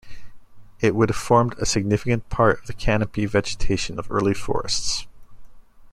It would have formed a significant part of the canopy vegetation of early forests.